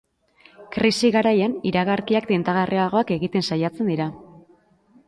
Krisi garaian iragarkiak tentagarriagoak egiten saiatzen dira.